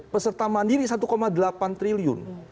pertama satu delapan triliun